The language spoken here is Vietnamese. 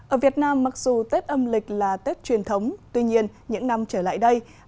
ở việt nam mặc dù tết âm lịch là tết truyền thống tuy nhiên những năm trở lại đây